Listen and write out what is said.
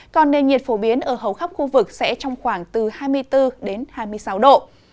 còn nền nhiệt phổ biến ở hầu khắp khu vực sẽ trong khoảng từ hai mươi bốn đến hai mươi sáu độ